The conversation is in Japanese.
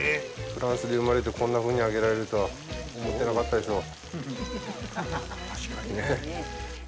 フランスで生まれてこんなふうに揚げられるとは思ってなかったでしょう。